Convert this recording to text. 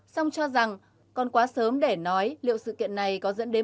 song cho rằng còn quá sớm để nói liệu sự kiện này có dẫn đến